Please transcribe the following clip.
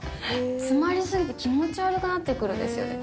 つまり過ぎて気持ち悪くなってくるんですよね。